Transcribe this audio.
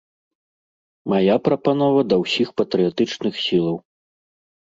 Мая прапанова да ўсіх патрыятычных сілаў.